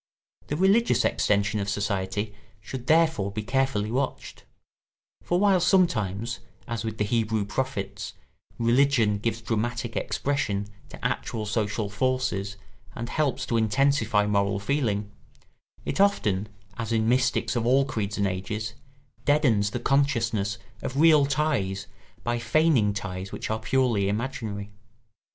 The religious extensions of society should therefore be carefully watched; for while sometimes, as with the Hebrew prophets, religion gives dramatic expression to actual social forces and helps to intensify moral feeling, it often, as in mystics of all creeds and ages, deadens the consciousness of real ties by feigning ties which are purely imaginary.